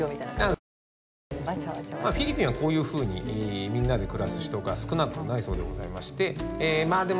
フィリピンはこういうふうにみんなで暮らす人が少なくないそうでございましてまあいざこざはあります。